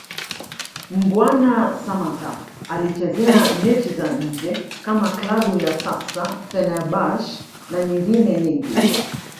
Mbwana Samata alichezea mechi za nje kama Klabu ya sasa Fenerbahce na nyengine nyingi